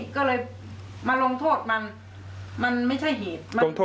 ก็เลยมาลงโทษมันมันไม่ใช่เหตุ